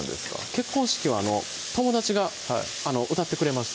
結婚式は友達が歌ってくれましたね